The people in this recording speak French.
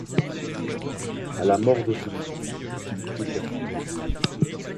À la mort de celui-ci, il prit sa suite.